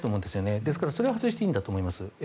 ですから、それは外していいんだと思います。